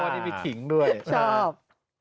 นี่มีขิงด้วยชอบ